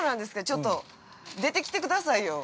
ちょっと、出てきてくださいよ。